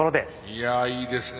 いやいいですね。